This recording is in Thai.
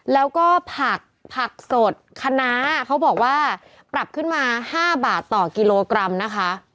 แล้วก็ผักผักสดคณะเขาบอกว่าปรับขึ้นมา๕บาทต่อกิโลกรัมนะคะ